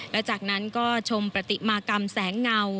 และจากนั้นก็ชมปฏิมากรรมแสงเงา